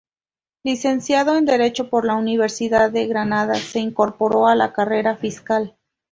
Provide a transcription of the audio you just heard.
Licenciado en Derecho por la Universidad de Granada, se incorporó a la carrera fiscal.